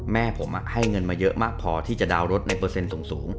แม่ผมให้เงินมาเยอะมากพอที่จะดาวนรถในเปอร์เซ็นต์สูง